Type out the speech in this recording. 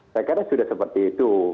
jadi saya sudah seperti itu